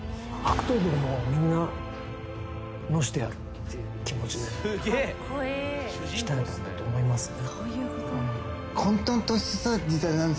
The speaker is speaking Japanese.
「そういう気持ちで鍛えたんだと思いますね」